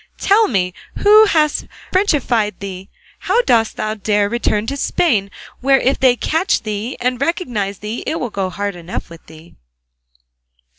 Tell me, who has frenchified thee, and how dost thou dare to return to Spain, where if they catch thee and recognise thee it will go hard enough with thee?"